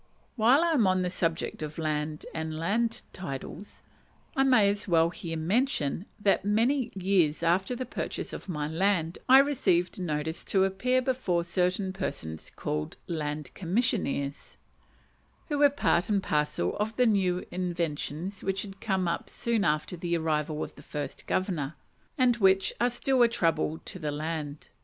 While I am on the subject of land and land titles, I may as well here mention that many years after the purchase of my land I received notice to appear before certain persons called "Land Commissioners," who were part and parcel of the new inventions which had come up soon after the arrival of the first governor, and which are still a trouble to the land.